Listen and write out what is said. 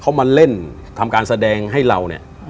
เขามาเล่นทำการแสดงให้เราเนี่ย